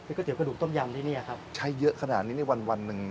เป็นก๋วยเตี๋ยวกระดูกต้มยำที่เนี่ยครับใช้เยอะขนาดนี้นี่วันหนึ่ง